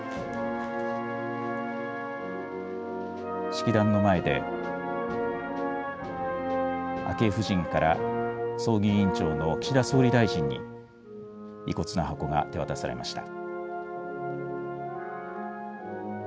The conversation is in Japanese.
式壇の前で昭恵夫人から葬儀委員長の岸田総理大臣に遺骨の箱が手渡されました。